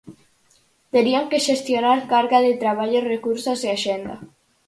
Terían que xestionar carga de traballo, recursos e axenda.